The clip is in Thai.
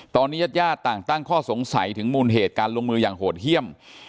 ตอนนี้ญาติญาติต่างตั้งข้อสงสัยถึงมูลเหตุการลงมืออย่างโหดเยี่ยม